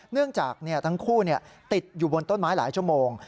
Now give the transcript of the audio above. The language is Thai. เนื่องจากทั้งคู่ติดอยู่บนต้นไม้หลายชั่วโมง